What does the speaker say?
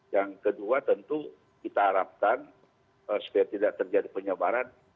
yang kedua tentu kita harapkan supaya tidak terjadi penyebaran